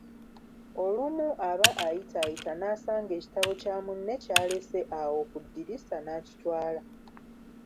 Olumu aba ayitayita n'asanga ekitabo kya munne ky'alese awo ku ddirisa n'akitwala.